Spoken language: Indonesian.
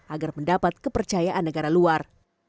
agar mendapat kepercayaan negara luar